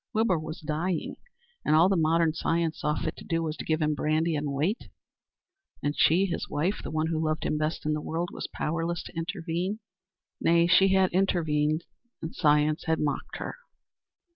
Wilbur was dying, and all modern science saw fit to do was to give him brandy and wait. And she, his wife the one who loved him best in the world, was powerless to intervene. Nay, she had intervened, and modern science had mocked her.